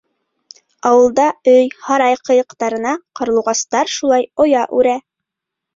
Ауылда өй, һарай ҡыйыҡтарына ҡарлуғастар шулай оя үрә.